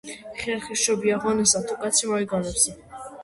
ხერხი სჯობია ღონესა, თუ კაცი მოიგონებსა